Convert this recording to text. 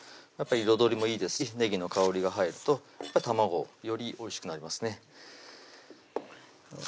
やっぱ彩りもいいですしねぎの香りが入ると卵よりおいしくなりますね